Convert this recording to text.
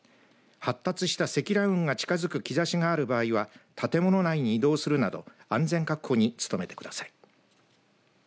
発達した積乱雲が近づく兆しがある場合は建物内に移動するなど安全確保に努めてください。